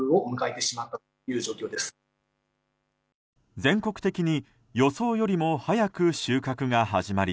全国的に予想よりも早く収穫が始まり